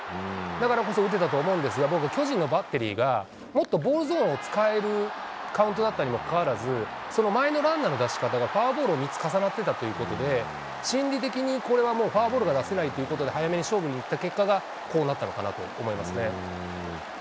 だからこそ打てたと思うんですが、僕、巨人のバッテリーがもっとボールゾーンを使えるカウントだったにもかかわらず、その前のランナーの出し方がフォアボールが３つ重なっていたということで、心理的にこれはもう、フォアボールが出せないということで、早めに勝負にいった結果がこうなったのかなと思いますね。